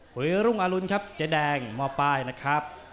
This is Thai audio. หุยรุ่งอลุ้นครับเจดแดงหมอป้ายนะครับ